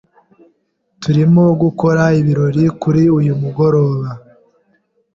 Turimo gukora ibirori kuri uyu mugoroba.